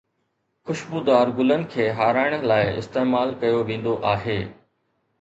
خوشبودار گلن کي هارائڻ لاءِ استعمال ڪيو ويندو آهي.